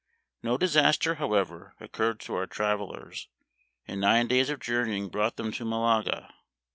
No disaster, however, occurred to our travel ers, and nine days of journeying brought them to Malaga.